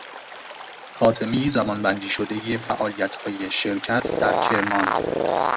خاتمهی زمانبندی شدهی فعالیتهای شرکت در کرمان